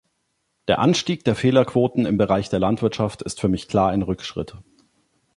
Der Anstieg der Fehlerquoten im Bereich der Landwirtschaft ist für mich klar ein Rückschritt.